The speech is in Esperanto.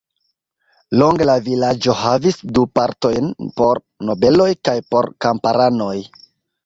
Longe la vilaĝo havis du partojn, por nobeloj kaj por kamparanoj.